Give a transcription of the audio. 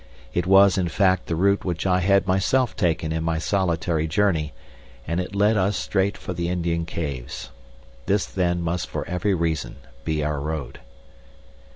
It was, in fact, the route which I had myself taken in my solitary journey, and it led us straight for the Indian caves. This then must for every reason be our road.